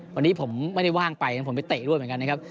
วันนี้ผมไม่ได้ว่างไปนะผมไปเตะด้วยเหมือนกันนะครับ